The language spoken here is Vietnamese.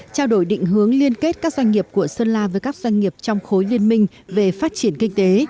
trao đổi định hướng liên kết các doanh nghiệp của sơn la với các doanh nghiệp trong khối liên minh về phát triển kinh tế